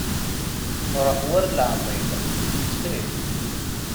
Ruḥ war leεḍil, ttxil.